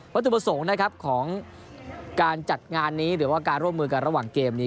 ตุประสงค์นะครับของการจัดงานนี้หรือว่าการร่วมมือกันระหว่างเกมนี้